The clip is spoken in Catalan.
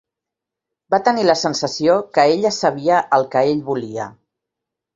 Va tenir la sensació que ella sabia el que ell volia.